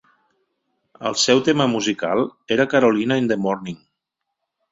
El seu tema musical era "Carolina in the Morning".